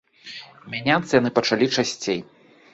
Мяняцца яны пачалі часцей.